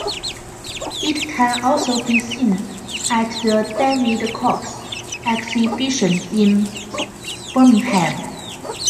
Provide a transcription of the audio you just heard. It can also be seen at the David Cox exhibition in Birmingham.